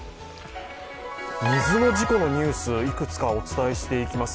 水の事故のニュース、いくつかお伝えしていきます。